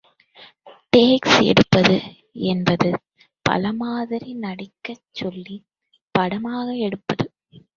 Test எடுப்பது என்பது பலமாதிரி நடிக்கச் சொல்லிப் படமாக எடுப்பது.